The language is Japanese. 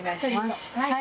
はい。